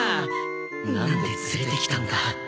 なんで連れてきたんだ